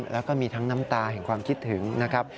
แล้วก็มีทั้งน้ำตาแห่งความคิดถึงนะครับ